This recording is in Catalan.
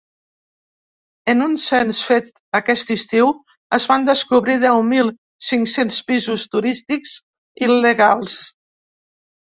En un cens fet aquest estiu es van descobrir deu mil cinc-cents pisos turístics il·legals.